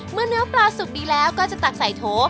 เนื้อปลาสุกดีแล้วก็จะตักใส่โถ